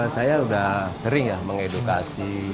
saya sudah sering ya mengedukasi